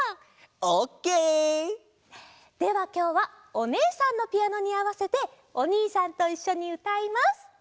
ではきょうはおねえさんのピアノにあわせておにいさんといっしょにうたいます！